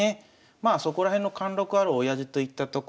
まあそこら辺の貫禄あるおやじといったところでしょうか。